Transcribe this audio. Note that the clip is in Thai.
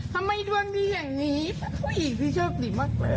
ทำไมดวงดีอย่างนี้ผู้หญิงพี่โชคดีมากเลย